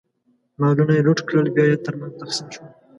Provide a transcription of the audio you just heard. مالونه یې لوټ کړل، بیا یې ترمنځ تقسیم شول.